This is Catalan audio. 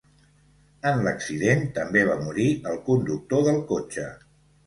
En l'accident també va morir el conductor del cotxe.